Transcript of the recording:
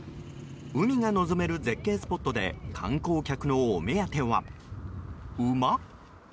海が望める絶景スポットで観光客のお目当ては、馬？